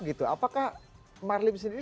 gitu apakah marlim sendiri